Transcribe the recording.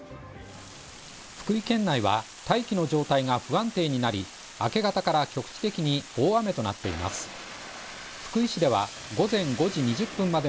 福井県内は大気の状態が不安定になり、明け方から局地的に大雨となっています。